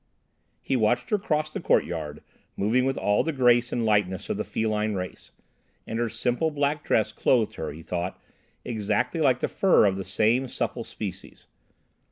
He watched her cross the courtyard, moving with all the grace and lightness of the feline race, and her simple black dress clothed her, he thought, exactly like the fur of the same supple species.